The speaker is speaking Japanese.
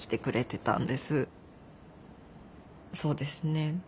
そうですね